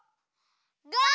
ゴー！